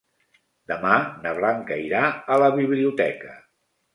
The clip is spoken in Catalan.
Demà na Blanca irà a la biblioteca.